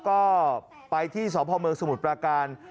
ก็ไปที่สมสมุทรประการ